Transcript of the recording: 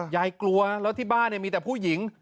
ยายกลัวแล้วที่บ้านมีแต่ผู้หญิง